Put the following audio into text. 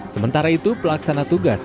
sementara itu pelaksana tugas